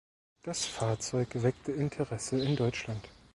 Das Fahrzeug weckte Interesse in Deutschland.